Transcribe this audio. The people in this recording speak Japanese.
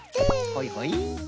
はいはい。